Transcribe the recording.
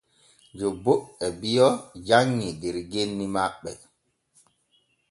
Jobbo e biyo janŋi der genni maɓɓe.